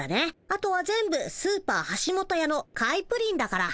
あとは全部スーパーはしもとやの買いプリンだから。